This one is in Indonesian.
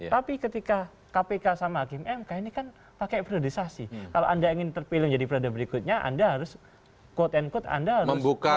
tapi ketika kpk sama hakim mk ini kan pakai priorisasi kalau anda ingin terpilih menjadi prioritas berikutnya anda harus quote unquote anda harus buka